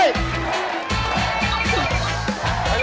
หยุดเข้า